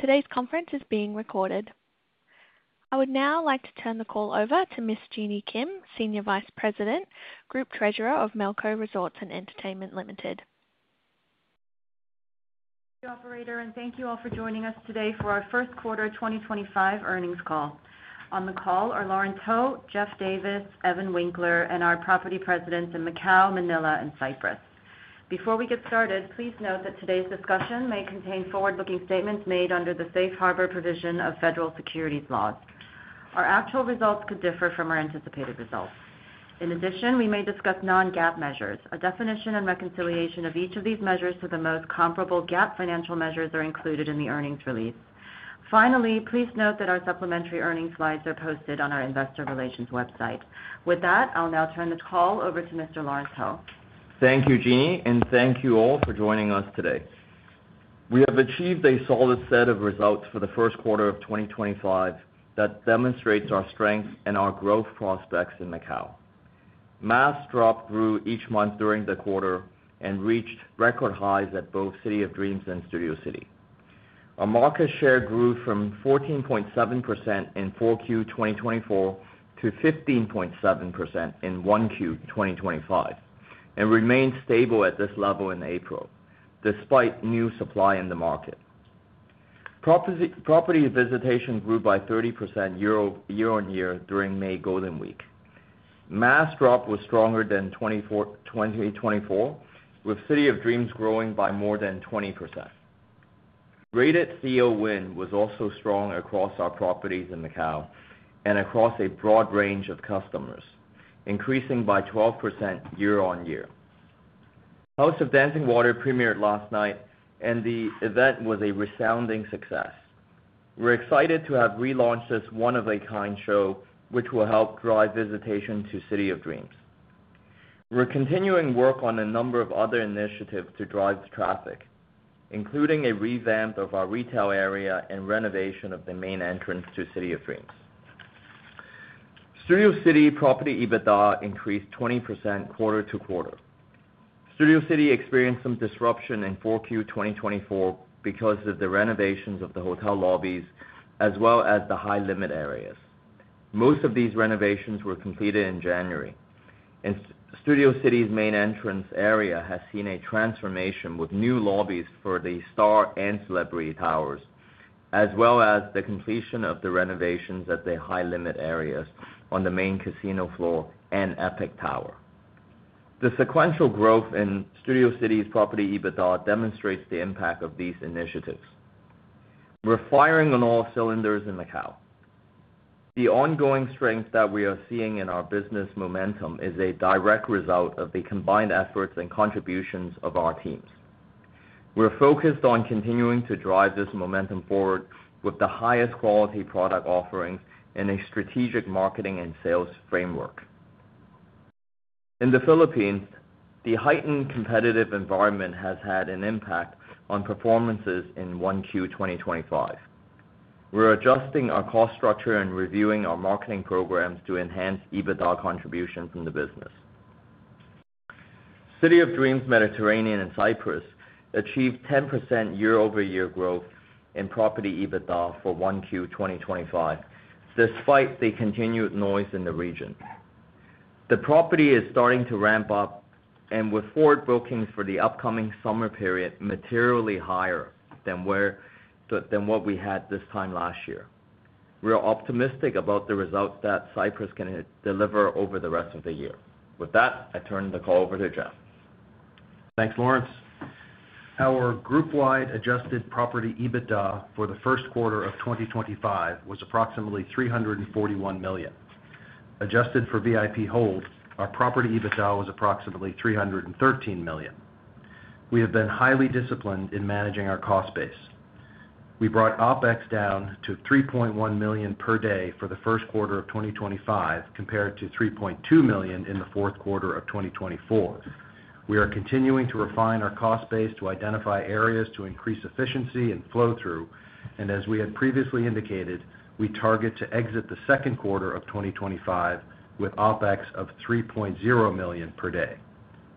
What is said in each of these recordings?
Today's conference is being recorded. I would now like to turn the call over to Ms. Jeanny Kim, Senior Vice President, Group Treasurer of Melco Resorts & Entertainment Limited. Thank you, operator, and thank you all for joining us today for our first quarter 2025 earnings call. On the call are Lawrence Ho, Geoff Davis, Evan Winkler, and our Property Presidents in Macau, Manila, and Cyprus. Before we get started, please note that today's discussion may contain forward-looking statements made under the safe harbor provision of federal securities laws. Our actual results could differ from our anticipated results. In addition, we may discuss non-GAAP measures. A definition and reconciliation of each of these measures to the most comparable GAAP financial measures are included in the earnings release. Finally, please note that our supplementary earnings slides are posted on our investor relations website. With that, I'll now turn the call over to Mr. Lawrence Ho. Thank you, Jeanny, and thank you all for joining us today. We have achieved a solid set of results for the first quarter of 2025 that demonstrates our strength and our growth prospects in Macau. Mass dropped through each month during the quarter and reached record highs at both City of Dreams and Studio City. Our market share grew from 14.7% in 4Q 2024 to 15.7% in 1Q 2025 and remained stable at this level in April, despite new supply in the market. Property visitation grew by 30% year-on-year during May Golden Week. Mass drop was stronger than 2024, with City of Dreams growing by more than 20%. Rated CO win was also strong across our properties in Macau and across a broad range of customers, increasing by 12% year-on-year. House of Dancing Water premiered last night, and the event was a resounding success. We're excited to have relaunched this one-of-a-kind show, which will help drive visitation to City of Dreams. We're continuing work on a number of other initiatives to drive traffic, including a revamp of our retail area and renovation of the main entrance to City of Dreams. Studio City property EBITDA increased 20% quarter-to-quarter. Studio City experienced some disruption in 4Q 2024 because of the renovations of the hotel lobbies, as well as the high-limit areas. Most of these renovations were completed in January. Studio City's main entrance area has seen a transformation with new lobbies for the Star and Celebrity Towers, as well as the completion of the renovations at the high-limit areas on the main casino floor and Epic Tower. The sequential growth in Studio City's property EBITDA demonstrates the impact of these initiatives. We're firing on all cylinders in Macau. The ongoing strength that we are seeing in our business momentum is a direct result of the combined efforts and contributions of our teams. We're focused on continuing to drive this momentum forward with the highest quality product offerings and a strategic marketing and sales framework. In the Philippines, the heightened competitive environment has had an impact on performances in 1Q 2025. We're adjusting our cost structure and reviewing our marketing programs to enhance EBITDA contribution from the business. City of Dreams Mediterranean and Cyprus achieved 10% year-over-year growth in property EBITDA for Q1 2025, despite the continued noise in the region. The property is starting to ramp up, and with forward bookings for the upcoming summer period materially higher than what we had this time last year, we're optimistic about the results that Cyprus can deliver over the rest of the year. With that, I turn the call over to Geoff. Thanks, Lawrence. Our group-wide adjusted property EBITDA for the first quarter of 2025 was approximately $341 million. Adjusted for VIP holds, our property EBITDA was approximately $313 million. We have been highly disciplined in managing our cost base. We brought OpEx down to $3.1 million per day for the first quarter of 2025, compared to $3.2 million in the fourth quarter of 2024. We are continuing to refine our cost base to identify areas to increase efficiency and flow-through, and as we had previously indicated, we target to exit the second quarter of 2025 with OpEx of $3.0 million per day.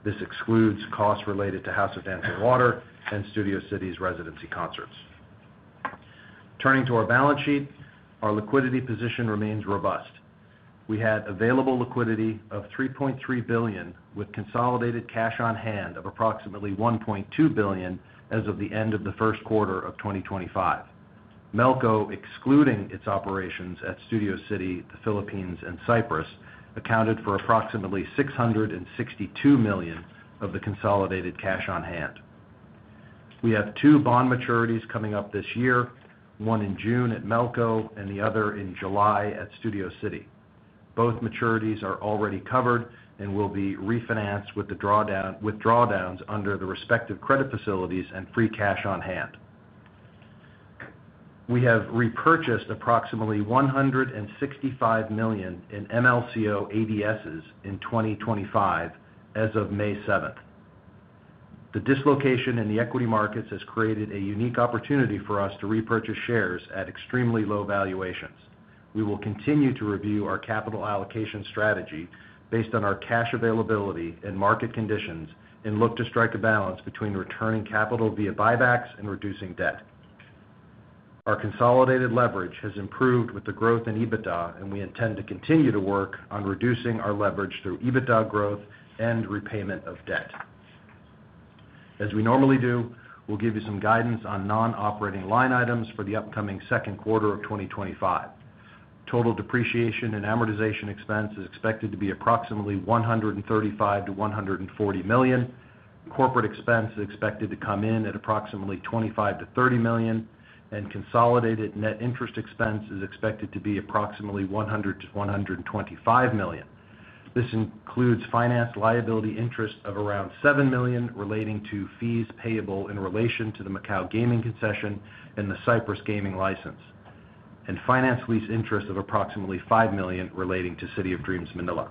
This excludes costs related to House of Dancing Water and Studio City's residency concerts. Turning to our balance sheet, our liquidity position remains robust. We had available liquidity of $3.3 billion, with consolidated cash on hand of approximately $1.2 billion as of the end of the first quarter of 2025. Melco, excluding its operations at Studio City, the Philippines, and Cyprus, accounted for approximately $662 million of the consolidated cash on hand. We have two bond maturities coming up this year, one in June at Melco and the other in July at Studio City. Both maturities are already covered and will be refinanced with drawdowns under the respective credit facilities and free cash on hand. We have repurchased approximately $165 million in MLCO ADSs in 2025 as of May 7th. The dislocation in the equity markets has created a unique opportunity for us to repurchase shares at extremely low valuations. We will continue to review our capital allocation strategy based on our cash availability and market conditions and look to strike a balance between returning capital via buybacks and reducing debt. Our consolidated leverage has improved with the growth in EBITDA, and we intend to continue to work on reducing our leverage through EBITDA growth and repayment of debt. As we normally do, we'll give you some guidance on non-operating line items for the upcoming second quarter of 2025. Total depreciation and amortization expense is expected to be approximately $135 million-$140 million. Corporate expense is expected to come in at approximately $25 million-$30 million, and consolidated net interest expense is expected to be approximately $100 million-$125 million. This includes finance liability interest of around $7 million relating to fees payable in relation to the Macau gaming concession and the Cyprus gaming license, and finance lease interest of approximately $5 million relating to City of Dreams, Manila.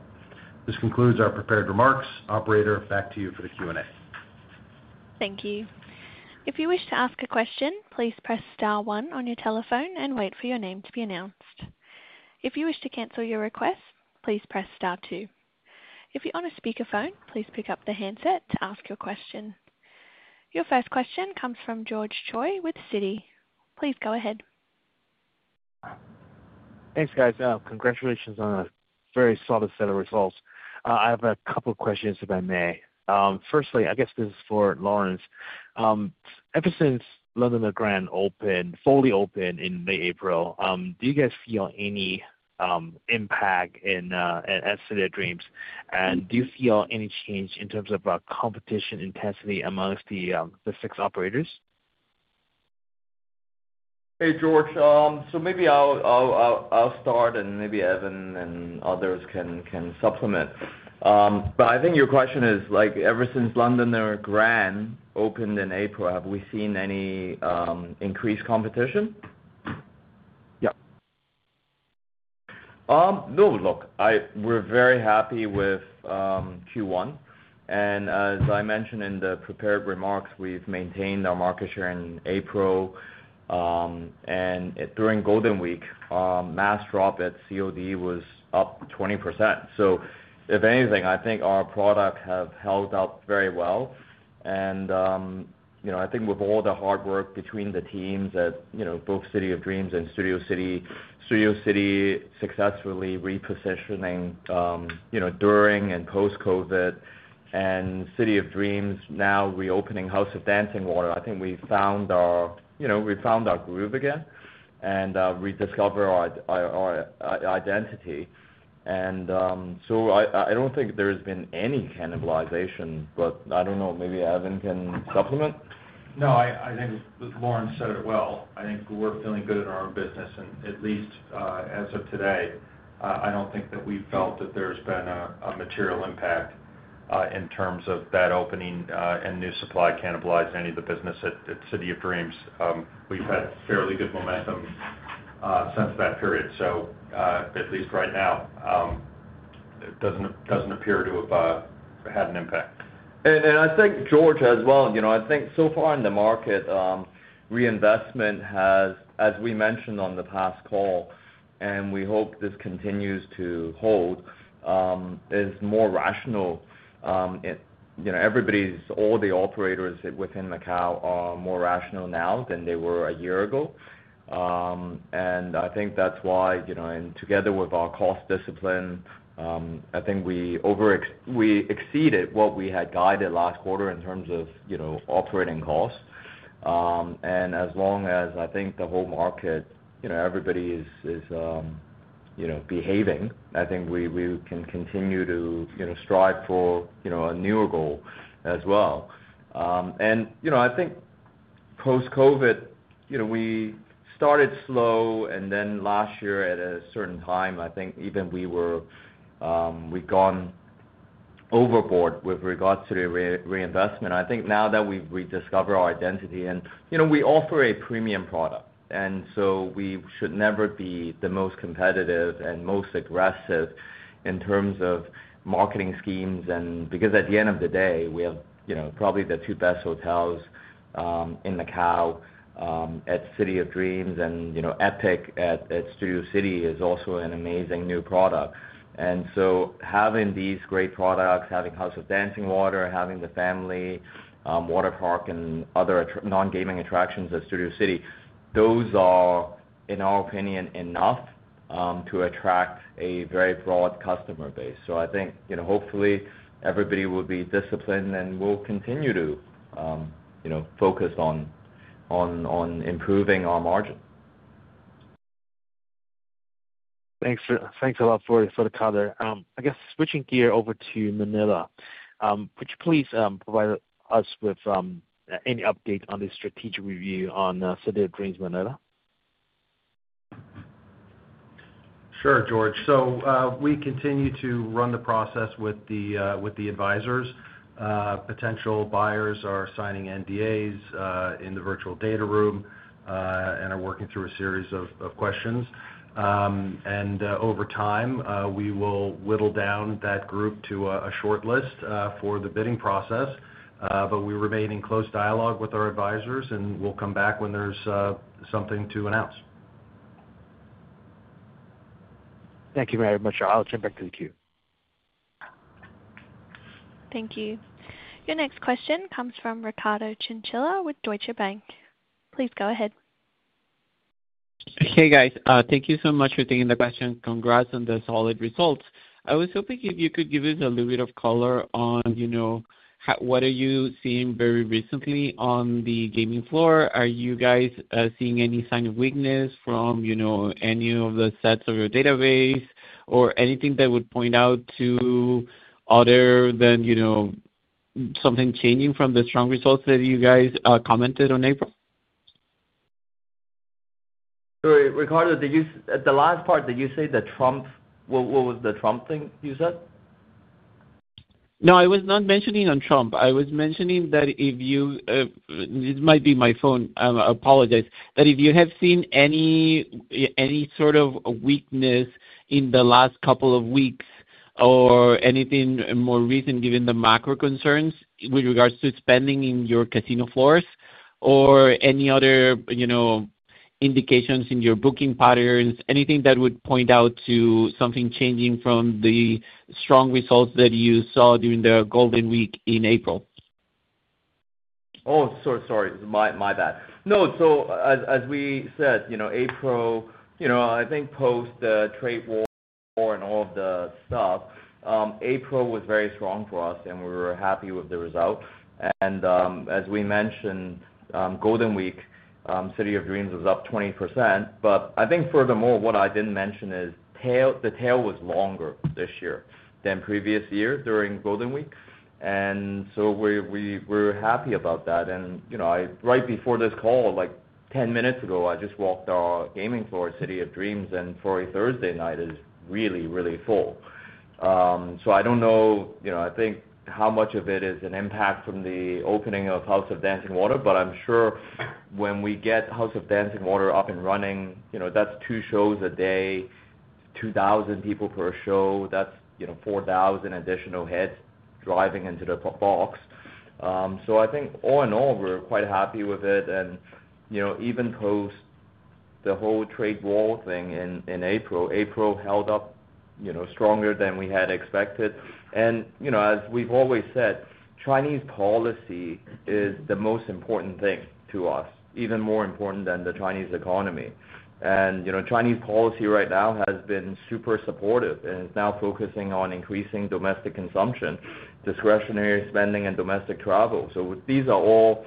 This concludes our prepared remarks. Operator, back to you for the Q&A. Thank you. If you wish to ask a question, please press star one on your telephone and wait for your name to be announced. If you wish to cancel your request, please press star two. If you're on a speakerphone, please pick up the handset to ask your question. Your first question comes from George Choi with Citi. Please go ahead. Thanks, guys. Congratulations on a very solid set of results. I have a couple of questions if I may. Firstly, I guess this is for Lawrence. Ever since Londoner Grand fully opened in late April, do you guys feel any impact in City of Dreams? Do you feel any change in terms of competition intensity amongst the six operators? Hey, George. Maybe I'll start, and maybe Evan and others can supplement. I think your question is, ever since Londoner Grand opened in April, have we seen any increased competition? Yeah. No, look, we're very happy with Q1. As I mentioned in the prepared remarks, we've maintained our market share in April. During Golden Week, mass drop at COD was up 20%. If anything, I think our product has held up very well. I think with all the hard work between the teams at both City of Dreams and Studio City, Studio City successfully repositioning during and post-COVID, and City of Dreams now reopening House of Dancing Water, I think we found our groove again and rediscovered our identity. I don't think there has been any cannibalization, but I don't know, maybe Evan can supplement? No, I think Lawrence said it well. I think we're feeling good in our own business. At least as of today, I don't think that we felt that there's been a material impact in terms of that opening and new supply cannibalizing any of the business at City of Dreams. We've had fairly good momentum since that period. At least right now, it doesn't appear to have had an impact. I think George as well. I think so far in the market, reinvestment has, as we mentioned on the past call, and we hope this continues to hold, is more rational. Everybody, all the operators within Macau are more rational now than they were a year ago. I think that's why, and together with our cost discipline, I think we exceeded what we had guided last quarter in terms of operating costs. As long as I think the whole market, everybody is behaving, I think we can continue to strive for a newer goal as well. I think post-COVID, we started slow, and then last year at a certain time, I think even we'd gone overboard with regards to the reinvestment. I think now that we've rediscovered our identity and we offer a premium product, we should never be the most competitive and most aggressive in terms of marketing schemes. Because at the end of the day, we have probably the two best hotels in Macau at City of Dreams, and Epic at Studio City is also an amazing new product. Having these great products, having House of Dancing Water, having the family water park, and other non-gaming attractions at Studio City, those are, in our opinion, enough to attract a very broad customer base. I think hopefully everybody will be disciplined and will continue to focus on improving our margin. Thanks a lot for the color. I guess switching gear over to Manila. Would you please provide us with any update on the strategic review on City of Dreams Manila? Sure, George. We continue to run the process with the advisors. Potential buyers are signing NDAs in the virtual data room and are working through a series of questions. Over time, we will whittle down that group to a short list for the bidding process. We remain in close dialogue with our advisors, and we'll come back when there's something to announce. Thank you very much. I'll turn back to the queue. Thank you. Your next question comes from Ricardo Chinchilla with Deutsche Bank. Please go ahead. Hey, guys. Thank you so much for taking the question. Congrats on the solid results. I was hoping if you could give us a little bit of color on what are you seeing very recently on the gaming floor. Are you guys seeing any sign of weakness from any of the sets of your database or anything that would point out to other than something changing from the strong results that you guys commented on April? Ricardo, the last part, did you say the Trump? What was the Trump thing you said? No, I was not mentioning on Trump. I was mentioning that if you—this might be my phone. I apologize—that if you have seen any sort of weakness in the last couple of weeks or anything more recent given the macro concerns with regards to spending in your casino floors or any other indications in your booking patterns, anything that would point out to something changing from the strong results that you saw during the Golden Week in April? Oh, sorry, my bad. No, as we said, April, I think post-trade war and all of the stuff, April was very strong for us, and we were happy with the result. As we mentioned, Golden Week, City of Dreams was up 20%. I think furthermore, what I did not mention is the tail was longer this year than previous year during Golden Week. We are happy about that. Right before this call, like 10 minutes ago, I just walked our gaming floor, City of Dreams, and for a Thursday night, it was really, really full. I do not know, I think how much of it is an impact from the opening of House of Dancing Water, but I am sure when we get House of Dancing Water up and running, that is two shows a day, 2,000 people per show, that is 4,000 additional heads driving into the box. I think all in all, we're quite happy with it. Even post the whole trade war thing in April, April held up stronger than we had expected. As we've always said, Chinese policy is the most important thing to us, even more important than the Chinese economy. Chinese policy right now has been super supportive and is now focusing on increasing domestic consumption, discretionary spending, and domestic travel. These are all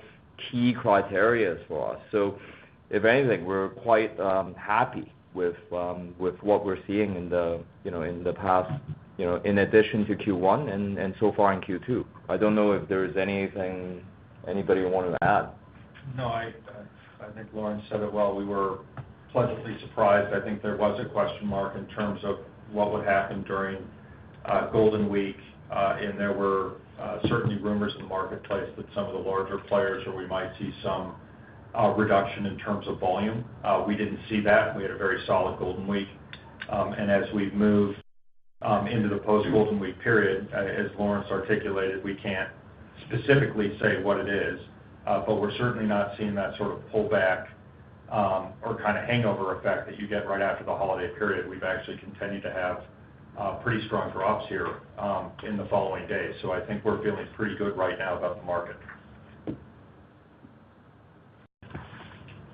key criteria for us. If anything, we're quite happy with what we're seeing in the past in addition to Q1 and so far in Q2. I don't know if there's anything anybody wanted to add. No, I think Lawrence said it well. We were pleasantly surprised. I think there was a question mark in terms of what would happen during Golden Week. There were certainly rumors in the marketplace that some of the larger players or we might see some reduction in terms of volume. We did not see that. We had a very solid Golden Week. As we have moved into the post-Golden Week period, as Lawrence articulated, we cannot specifically say what it is, but we are certainly not seeing that sort of pullback or kind of hangover effect that you get right after the holiday period. We have actually continued to have pretty strong drops here in the following days. I think we are feeling pretty good right now about the market.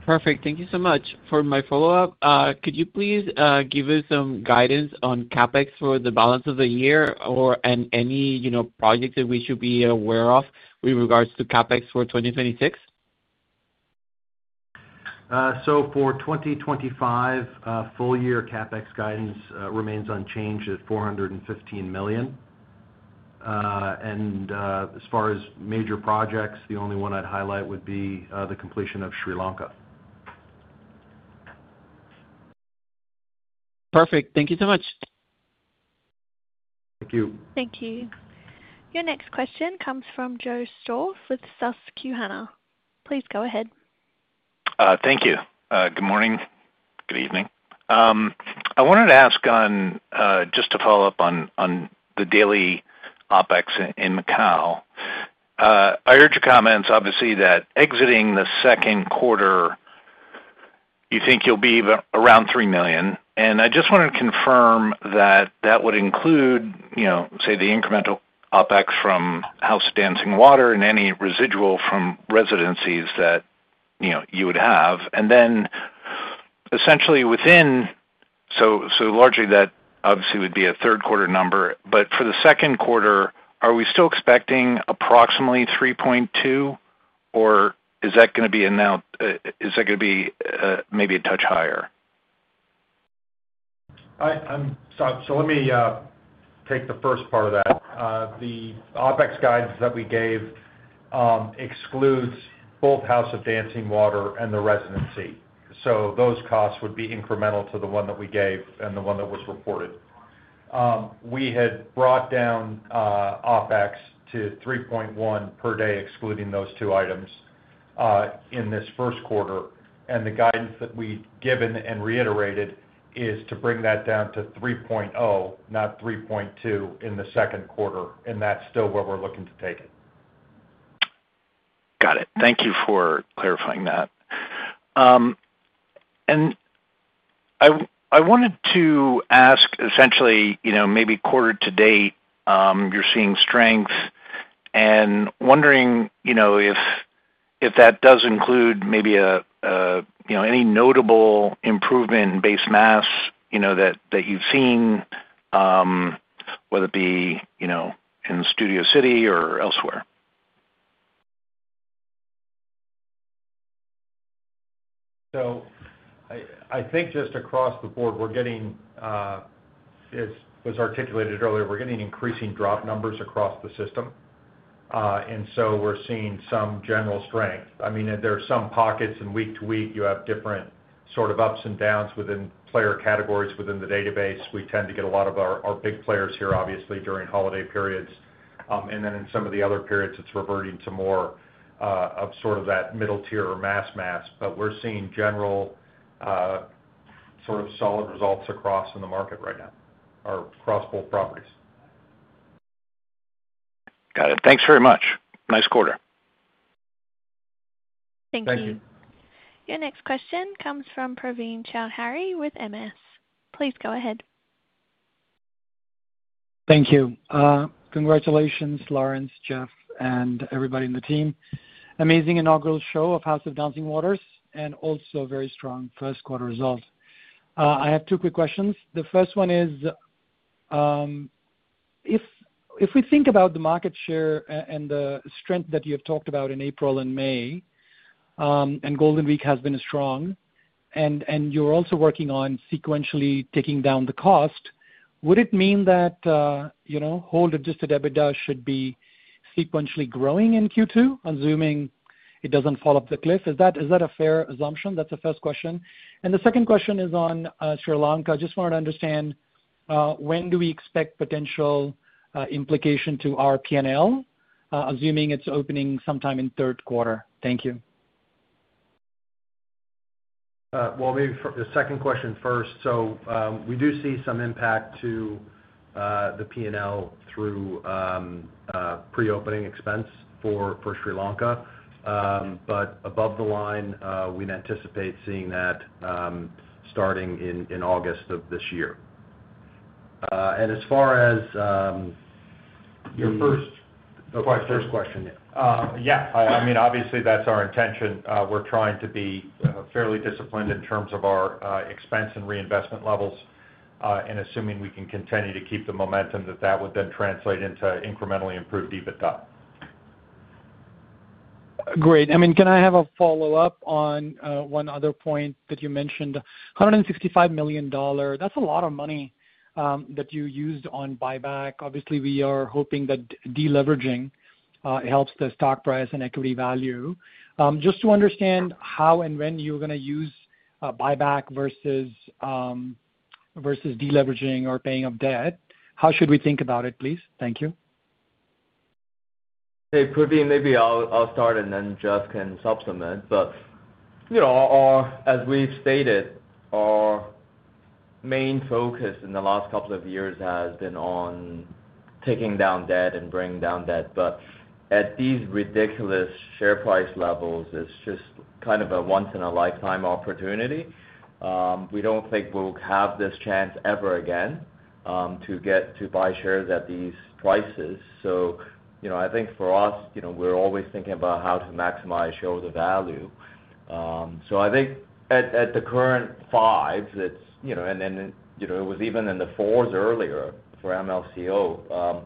Perfect. Thank you so much. For my follow-up, could you please give us some guidance on CapEx for the balance of the year and any projects that we should be aware of with regards to CapEx for 2026? For 2025, full-year CapEx guidance remains unchanged at $415 million. As far as major projects, the only one I'd highlight would be the completion of Sri Lanka. Perfect. Thank you so much. Thank you. Thank you. Your next question comes from Joe Stauff with Susquehanna. Please go ahead. Thank you. Good morning. Good evening. I wanted to ask just to follow up on the daily OpEx in Macau. I heard your comments, obviously, that exiting the second quarter, you think you'll be around $3 million. I just wanted to confirm that that would include, say, the incremental OpEx from House of Dancing Water and any residual from residencies that you would have. Essentially within, so largely that obviously would be a third-quarter number. For the second quarter, are we still expecting approximately $3.2 million, or is that going to be a now, is that going to be maybe a touch higher? Let me take the first part of that. The OpEx guidance that we gave excludes both House of Dancing Water and the residency. Those costs would be incremental to the one that we gave and the one that was reported. We had brought down OpEx to $3.1 per day, excluding those two items in this first quarter. The guidance that we've given and reiterated is to bring that down to $3.0, not $3.2 in the second quarter. That is still where we're looking to take it. Got it. Thank you for clarifying that. I wanted to ask essentially maybe quarter to date, you're seeing strength and wondering if that does include maybe any notable improvement in base mass that you've seen, whether it be in Studio City or elsewhere. I think just across the board, we're getting, as was articulated earlier, we're getting increasing drop numbers across the system. We're seeing some general strength. I mean, there are some pockets in week-to-week, you have different sort of ups and downs within player categories within the database. We tend to get a lot of our big players here, obviously, during holiday periods. In some of the other periods, it's reverting to more of sort of that middle-tier or mass mass. We're seeing general sort of solid results across in the market right now or across both properties. Got it. Thanks very much. Nice quarter. Thank you. Thank you. Your next question comes from Praveen Choudhary with MS. Please go ahead. Thank you. Congratulations, Lawrence, Geoff, and everybody on the team. Amazing inaugural show of House of Dancing Water and also very strong first-quarter results. I have two quick questions. The first one is, if we think about the market share and the strength that you have talked about in April and May, and Golden Week has been strong, and you're also working on sequentially taking down the cost, would it mean that whole-registered EBITDA should be sequentially growing in Q2, assuming it doesn't fall off the cliff? Is that a fair assumption? That's the first question. The second question is on Sri Lanka. I just wanted to understand, when do we expect potential implication to RP&L, assuming it's opening sometime in third quarter? Thank you. Maybe the second question first. We do see some impact to the P&L through pre-opening expense for Sri Lanka. Above the line, we'd anticipate seeing that starting in August of this year. As far as your first question, yeah, I mean, obviously, that's our intention. We're trying to be fairly disciplined in terms of our expense and reinvestment levels, and assuming we can continue to keep the momentum, that would then translate into incrementally improved EBITDA. Great. I mean, can I have a follow-up on one other point that you mentioned? $165 million, that's a lot of money that you used on buyback. Obviously, we are hoping that deleveraging helps the stock price and equity value. Just to understand how and when you're going to use buyback versus deleveraging or paying off debt, how should we think about it, please? Thank you. Hey, Praveen, maybe I'll start and then Geoff can supplement. As we've stated, our main focus in the last couple of years has been on taking down debt and bringing down debt. At these ridiculous share price levels, it's just kind of a once-in-a-lifetime opportunity. We don't think we'll have this chance ever again to buy shares at these prices. I think for us, we're always thinking about how to maximize shareholder value. I think at the current fives, and then it was even in the fours earlier for MLCO.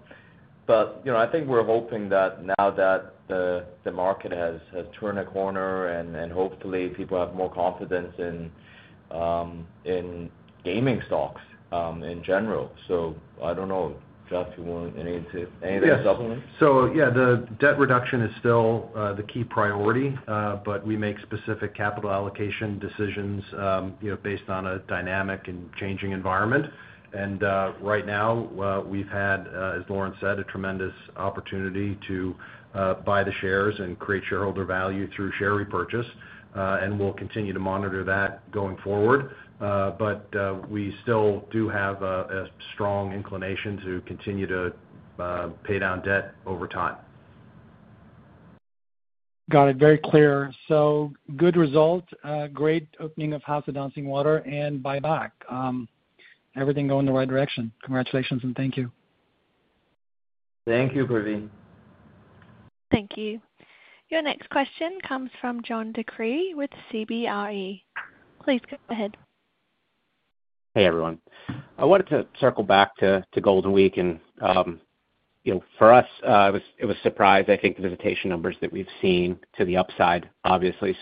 I think we're hoping that now that the market has turned a corner and hopefully people have more confidence in gaming stocks in general. I don't know, Geoff, if you want anything to supplement. Yeah. So yeah, the debt reduction is still the key priority, but we make specific capital allocation decisions based on a dynamic and changing environment. Right now, we've had, as Lawrence said, a tremendous opportunity to buy the shares and create shareholder value through share repurchase. We'll continue to monitor that going forward. We still do have a strong inclination to continue to pay down debt over time. Got it. Very clear. Good result, great opening of House of Dancing Water and buyback. Everything going in the right direction. Congratulations and thank you. Thank you, Praveen. Thank you. Your next question comes from John DeCree with CBRE. Please go ahead. Hey, everyone. I wanted to circle back to Golden Week. For us, it was a surprise, I think, the visitation numbers that we've seen to the upside, obviously.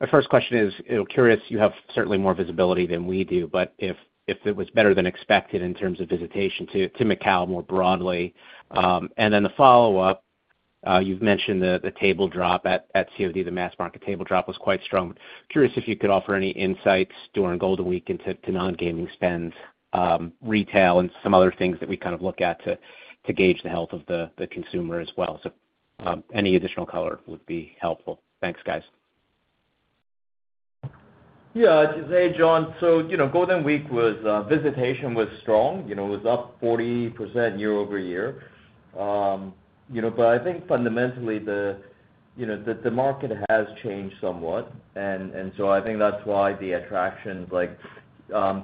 My first question is, curious, you have certainly more visibility than we do, if it was better than expected in terms of visitation to Macau more broadly. The follow-up, you've mentioned the table drop at City of Dreams, the mass market table drop was quite strong. Curious if you could offer any insights during Golden Week into non-gaming spend, retail, and some other things that we kind of look at to gauge the health of the consumer as well. Any additional color would be helpful. Thanks, guys. Yeah. Hey, John. Golden Week visitation was strong. It was up 40% year-over-year. I think fundamentally, the market has changed somewhat. I think that is why the attraction, like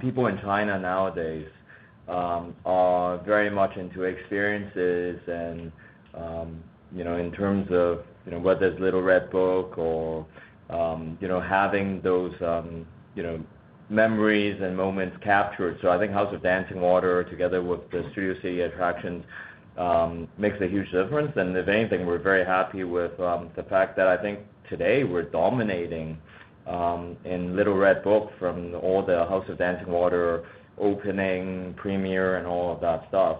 people in China nowadays, are very much into experiences. In terms of whether it is Little Red Book or having those memories and moments captured. I think House of Dancing Water, together with the Studio City attractions, makes a huge difference. If anything, we are very happy with the fact that I think today we are dominating in Little Red Book from all the House of Dancing Water opening, premiere, and all of that stuff.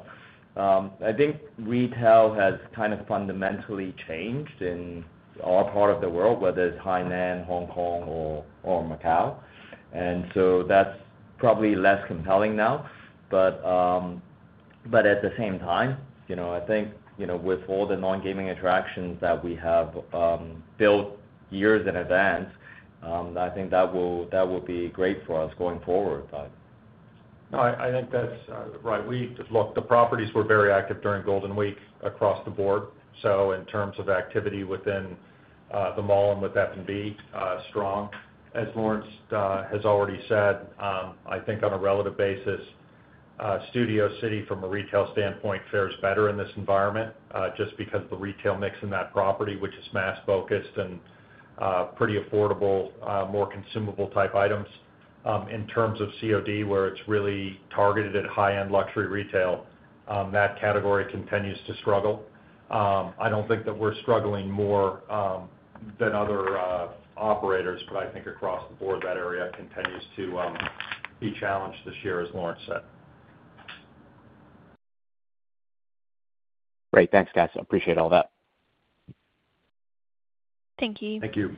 I think retail has kind of fundamentally changed in our part of the world, whether it is Hainan, Hong Kong, or Macau. That is probably less compelling now. At the same time, I think with all the non-gaming attractions that we have built years in advance, I think that will be great for us going forward. No, I think that's right. The properties were very active during Golden Week across the board. In terms of activity within the mall and with F&B, strong. As Lawrence has already said, I think on a relative basis, Studio City, from a retail standpoint, fares better in this environment just because of the retail mix in that property, which is mass-focused and pretty affordable, more consumable-type items. In terms of City of Dreams, where it's really targeted at high-end luxury retail, that category continues to struggle. I don't think that we're struggling more than other operators, but I think across the board, that area continues to be challenged this year, as Lawrence said. Great. Thanks, guys. Appreciate all that. Thank you. Thank you.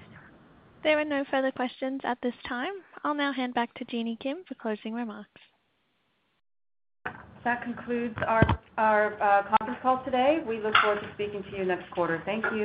There are no further questions at this time. I'll now hand back to Jeanny Kim for closing remarks. That concludes our conference call today. We look forward to speaking to you next quarter. Thank you.